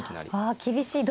ああ厳しい。